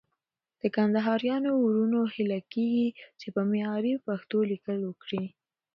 له کندهاريانو وروڼو هيله کېږي چې په معياري پښتو ليکل وکړي.